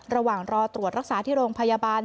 ระหว่างรอตรวจรักษาที่โรงพยาบาล